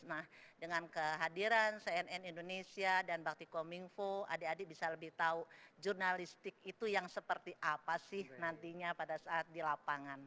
nah dengan kehadiran cnn indonesia dan bakti komingfo adik adik bisa lebih tahu jurnalistik itu yang seperti apa sih nantinya pada saat di lapangan